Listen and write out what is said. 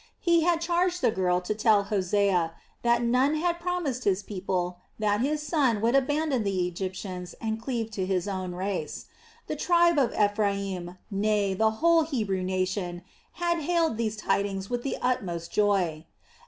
He had charged the girl to tell Hosea that Nun had promised his people that his son would abandon the Egyptians and cleave to his own race. The tribe of Ephraim, nay the whole Hebrew nation had hailed these tidings with the utmost joy.